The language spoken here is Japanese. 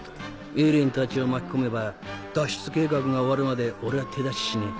エレンたちを巻き込めば脱出計画が終わるまで俺は手出ししねえ。